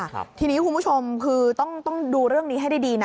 ทีนี้คุณผู้ชมคือต้องดูเรื่องนี้ให้ดีนะ